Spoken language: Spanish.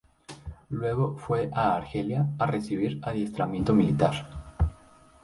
Luego fue a Argelia a recibir adiestramiento militar.